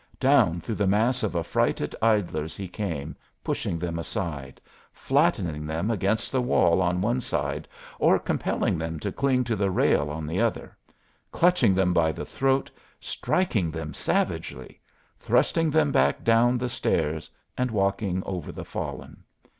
Down through the mass of affrighted idlers he came, pushing them aside, flattening them against the wall on one side, or compelling them to cling to the rail on the other, clutching them by the throat, striking them savagely, thrusting them back down the stairs and walking over the fallen.